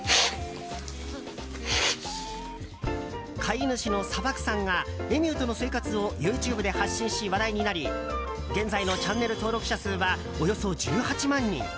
飼い主の砂漠さんがエミューとの生活をＹｏｕＴｕｂｅで発信し話題になり現在のチャンネル登録者数はおよそ１８万人。